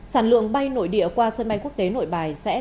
sản lượng bay nội địa qua sân bay quốc tế nội bài sẽ